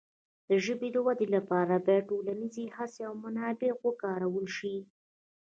د ژبې د وده لپاره باید ټولنیزې هڅې او منابع وکارول شي.